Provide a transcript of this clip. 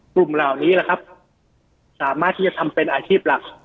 กลุ่มเหล่านี้แหละครับสามารถที่จะทำเป็นอาชีพหลัก